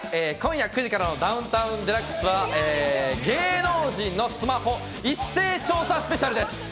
今夜９時からの『ダウンタウンＤＸ』は芸能人のスマホ一斉調査スペシャルです。